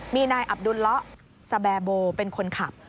มีนายอับดุลละสแบร์โบเป็นคนขับ